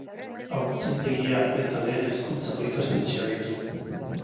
Haurtzaindegia eta lehen hezkuntzako ikastetxea ditu.